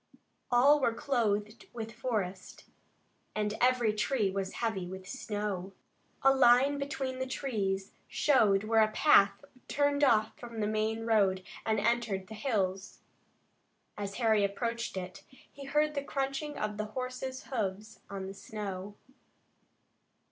All were clothed with forest, and every tree was heavy with snow. A line between the trees showed where a path turned off from the main road and entered the hills. As Harry approached it, he heard the crunching of horses' hoofs in the snow.